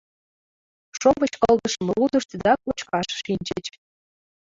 Шовыч кылдышым рудышт да кочкаш шинчыч.